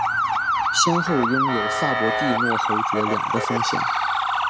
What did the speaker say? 先后拥有萨博蒂诺侯爵两个封衔。